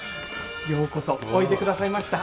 ようこそおいでくださいました。